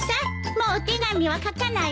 もうお手紙は書かないわ。